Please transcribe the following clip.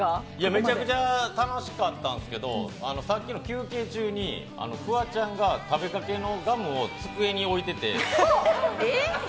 めちゃくちゃ楽しかったんですけど、さっきの休憩中にフワちゃんが食べかけのガムを机に置いてて。